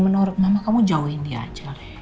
menurut nana kamu jauhin dia aja